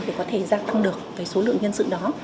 để có thể gia tăng được số lượng nhân sự đó